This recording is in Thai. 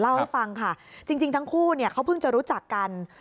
เล่าให้ฟังค่ะจริงทั้งคู่เนี่ยเขาเพิ่งจะรู้จักกัน